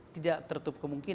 tidak tertutup kemungkinan